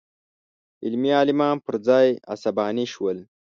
علمي عالمان پر ځای عصباني شول.